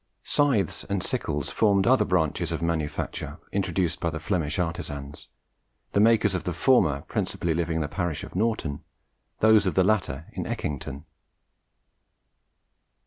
Scythes and sickles formed other branches of manufacture introduced by the Flemish artisans, the makers of the former principally living in the parish of Norton, those of the latter in Eckington.